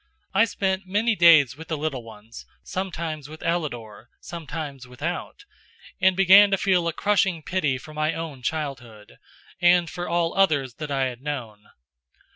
I spent many days with the little ones, sometimes with Ellador, sometimes without, and began to feel a crushing pity for my own childhood, and for all others that I had known.